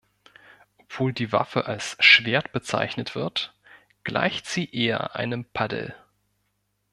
Obwohl die Waffe als „Schwert“ bezeichnet wird, gleicht sie eher einem Paddel.